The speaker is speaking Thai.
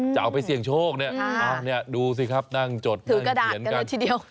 จะเอาไปเสี่ยงโชคเนี่ยดูสิครับนั่งจดนั่งเขียนกันถือกระดาษกันเลยทีเดียว